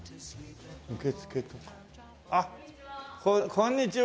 こんにちは。